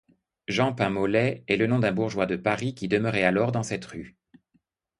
Jean-Pain-Mollet est le nom d'un bourgeois de Paris qui demeurait alors dans cette rue.